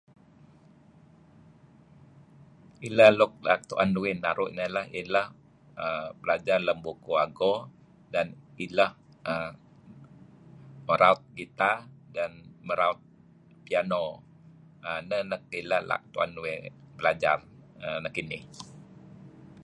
Ileh luk leh tu'en uih naru' ineh leh, ileh belajar lem bukuh ago, dan ileh mo meraut gita, meraut piano. Ineh neh ileh leh tu'en uth belajar nekinih.